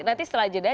nanti setelah jeda